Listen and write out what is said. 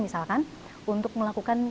misalkan untuk melakukan